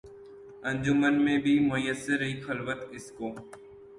انجمن میں بھی میسر رہی خلوت اس کو